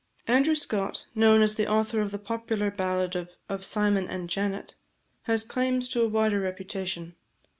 Andrew Scott, known as the author of the popular ballad of "Symon and Janet," has claims to a wider reputation.